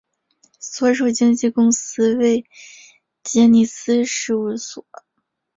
所属经纪公司为杰尼斯事务所。